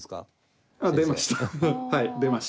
あ出ました。